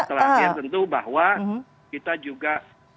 dan yang terakhir tentu bahwa kita juga